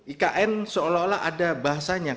ikn seolah olah ada bahasanya